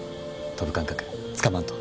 飛ぶ感覚つかまんと。